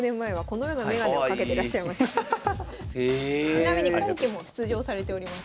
ちなみに今期も出場されております。